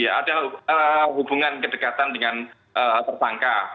ada hubungan kedekatan dengan tertangka